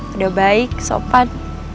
udah baik sopan